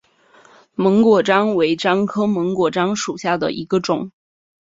檬果樟为樟科檬果樟属下的一个种。